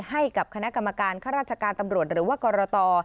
ให้กับคณะกรรมการข้าราชการตำรวจหรือว่ากรต